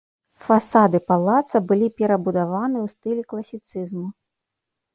Фасады палаца былі перабудаваны ў стылі класіцызму.